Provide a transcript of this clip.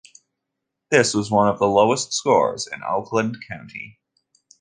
This was one of the lowest scores in Oakland County.